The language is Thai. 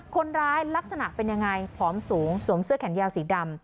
ลักษณะเป็นยังไงผอมสูงสวมเสื้อแขนยาวสีดำ